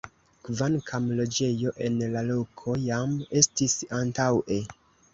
Kvankam loĝejo en la loko jam estis antaŭe.